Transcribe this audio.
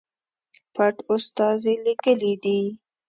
پټ استازي لېږلي دي.